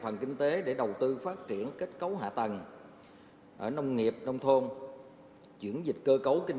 phần kinh tế để đầu tư phát triển kết cấu hạ tầng ở nông nghiệp nông thôn chuyển dịch cơ cấu kinh